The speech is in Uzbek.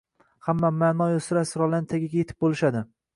Hamma ma’no-yu sir-asrorlarning tagiga yetib bo‘lishadi.